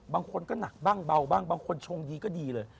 บางคนก็หนักบ้างเบาบ้างบางคนชงดีก็ดีเลย